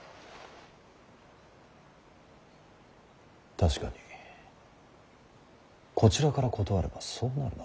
確かにこちらから断ればそうなるな。